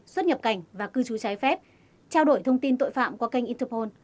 xuất nhập cảnh và cư trú trái phép trao đổi thông tin tội phạm qua kênh interpol